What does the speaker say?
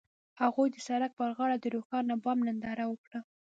هغوی د سړک پر غاړه د روښانه بام ننداره وکړه.